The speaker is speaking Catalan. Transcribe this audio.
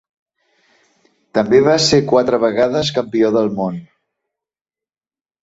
També va ser quatre vegades campió del món.